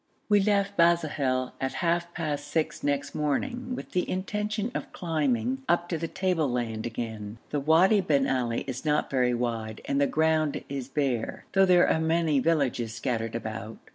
We left Bazahel at half past six next morning with the intention of climbing up to the tableland again. The Wadi bin Ali is not very wide and the ground is bare, though there are many villages scattered about.